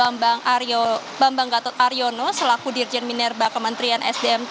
mbak banggatot aryono selaku dirjen minerva kementerian esdm